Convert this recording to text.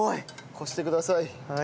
こしてください。